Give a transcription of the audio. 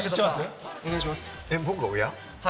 僕が親？